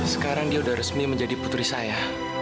sekarang dia sudah resmi menjadi putri saya